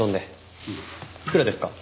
いくらですか？